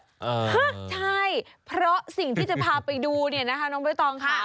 ฮะใช่เพราะสิ่งที่จะพาไปดูเนี่ยนะคะน้องใบตองค่ะ